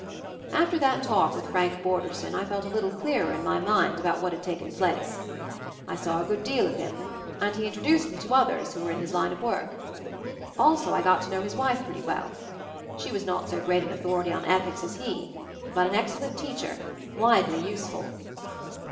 After that talk with Frank Borderson I felt a little clearer in my mind about what had taken place. I saw a good deal of him, and he introduced me to others who were in his line of work. Also I got to know his wife pretty well. She was not so great an authority on ethics as he; but an excellent teacher, widely useful.